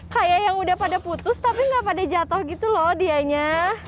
kayak yang udah pada putus tapi gak pada jatuh gitu loh dianya